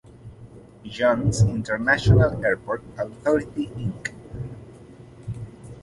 John's International Airport Authority Inc.